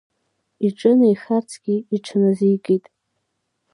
Иҿынеихарцгьы иҽыназикит.